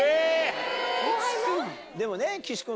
でもね岸君。